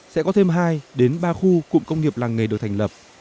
sẽ có thêm hai đến ba khu cụm công nghiệp làng nghề được thành lập